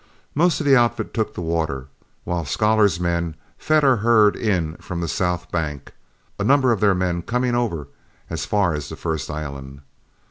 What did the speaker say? Most of our outfit took the water, while Scholar's men fed our herd in from the south bank, a number of their men coming over as far as the first island.